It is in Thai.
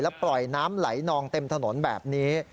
ปล่อยน้ำไหลนองเต็มถนนแบบนี้